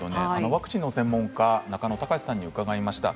ワクチンの専門家中野さんに伺いました。